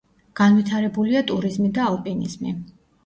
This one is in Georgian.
განვითარებულია ტურიზმი და ალპინიზმი.